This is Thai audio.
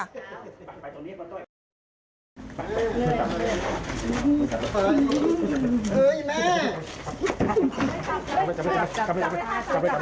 ไปตรงนี้บนนี่